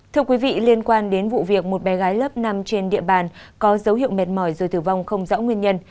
thưa quý vị liên quan đến vụ việc một bé gái lớp năm trên địa bàn có dấu hiệu mệt mỏi rồi tử vong không rõ nguyên nhân